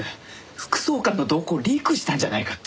副総監の動向をリークしたんじゃないかって。